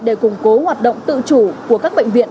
để củng cố hoạt động tự chủ của các bệnh viện